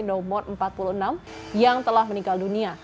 nomor empat puluh enam yang telah meninggal dunia